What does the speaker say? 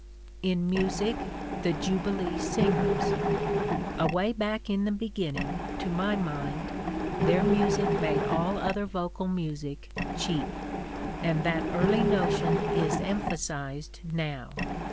In music, the Jubilee Singers: "Away back in the beginning — to my mind — their music made all other vocal music cheap; and that early notion is emphasized now.